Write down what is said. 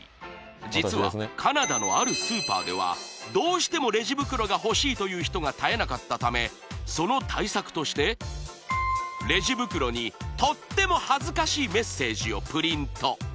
実はカナダのあるスーパーではどうしてもレジ袋が欲しいという人が絶えなかったためその対策としてレジ袋にとっても恥ずかしいメッセージをプリント